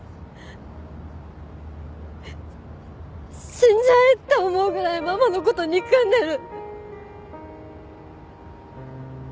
死んじゃえって思うぐらいママのこと憎んでる！